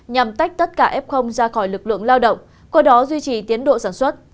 nhằm tách tất cả f ra khỏi lực lượng lao động qua đó duy trì tiến độ sản xuất